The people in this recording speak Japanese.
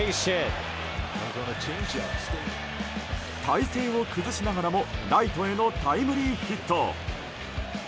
体勢を崩しながらもライトへのタイムリーヒット。